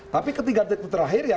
tapi ketiga detik terakhir ya